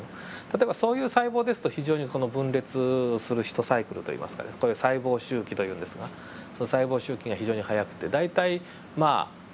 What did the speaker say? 例えばそういう細胞ですと非常に分裂するひとサイクルといいますかこれ細胞周期というんですがその細胞周期が非常に早くて大体まあ１２時間もあればね。